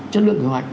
chất lượng kế hoạch